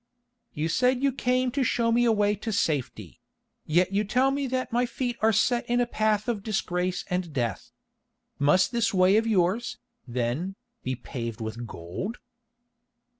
"You said you came to show me a way to safety—yet you tell me that my feet are set in the path of disgrace and death. Must this way of yours, then, be paved with gold?"